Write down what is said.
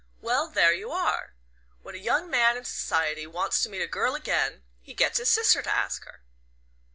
"Well, there you are... When a young man in society wants to meet a girl again, he gets his sister to ask her."